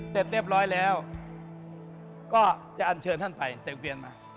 เสร็จเรียบร้อยแล้วก็จะอัญเชิญท่านไปเห็นบ้าง